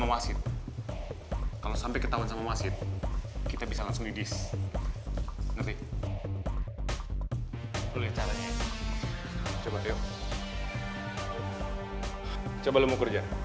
masa itu lebih tidak terlalu banyak